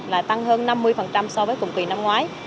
là tăng hơn năm mươi so với cùng kỳ năm ngoái